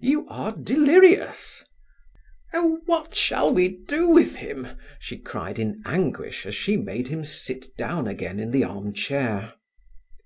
You are delirious—" Oh, what shall we do with him she cried in anguish, as she made him sit down again in the arm chair.